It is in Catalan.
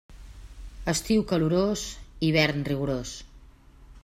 Estiu calorós, hivern rigorós.